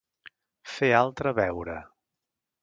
Fer altre veure.